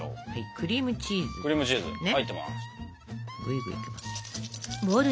クリームチーズ入ってます。